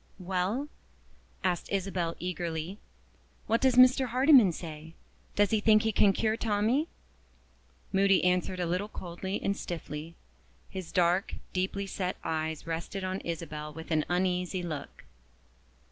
"WELL?" asked Isabel eagerly, "what does Mr. Hardyman say? Does he think he can cure Tommie?" Moody answered a little coldly and stiffly. His dark, deeply set eyes rested on Isabel with an uneasy look.